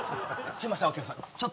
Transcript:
すいません